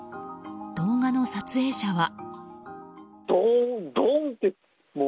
動画の撮影者は。